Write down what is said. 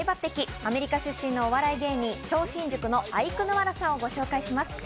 アメリカ出身のお笑い芸人・超新塾のアイクぬわらさんをご紹介します。